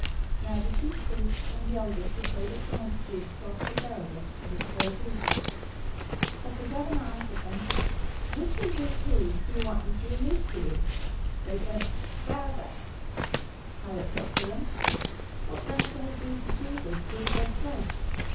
027:020 Now the chief priests and the elders persuaded the multitudes to ask for Barabbas, and destroy Jesus. 027:021 But the governor answered them, "Which of the two do you want me to release to you?" They said, "Barabbas!" 027:022 Pilate said to them, "What then shall I do to Jesus, who is called Christ?"